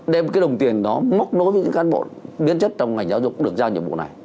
đem cái đồng tiền đó móc nối với những cán bộ biên chất trong ngành giáo dục được giao nhiệm vụ này